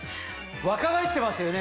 若返ってますよね。